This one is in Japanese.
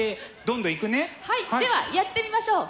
はいではやってみましょう。